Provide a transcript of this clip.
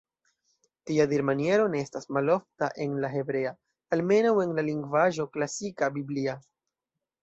Tia dirmaniero ne estas malofta en la hebrea, almenaŭ en la lingvaĵo klasika, biblia.